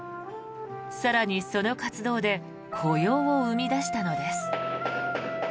更に、その活動で雇用を生み出したのです。